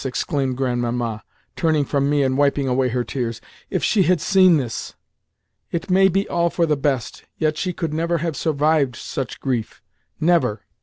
exclaimed Grandmamma, turning from me and wiping away her tears. "If she had seen this! It may be all for the best, yet she could never have survived such grief—never!"